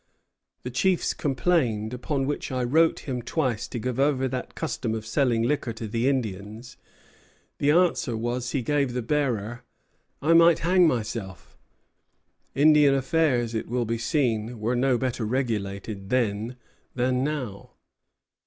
The chiefs complained, "upon which I wrote him twice to give over that custom of selling liquor to the Indians; the answer was he gave the bearer, I might hang myself." [Footnote: Johnson to Clinton, 7 May, 1747.] Indian affairs, it will be seen, were no better regulated then than now.